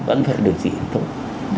vẫn phải điều trị tốt